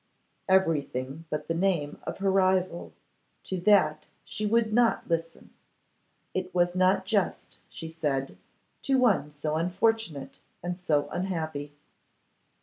'Everything but the name of her rival. To that she would not listen. It was not just, she said, to one so unfortunate and so unhappy.